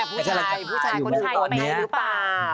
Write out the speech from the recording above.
มีผู้ชายคนไทยเขาแม่หรือเปล่า